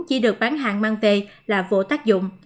chỉ được bán hàng mang về là vô tác dụng